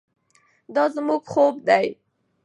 دا زموږ خوب دی.